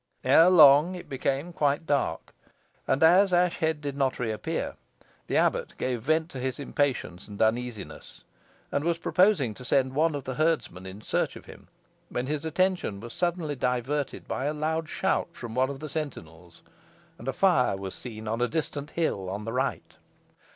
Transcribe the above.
Ere long, it became quite dark, and as Ashbead did not reappear, the abbot gave vent to his impatience and uneasiness, and was proposing to send one of the herdsmen in search of him, when his attention was suddenly diverted by a loud shout from one of the sentinels, and a fire was seen on a distant hill on the right.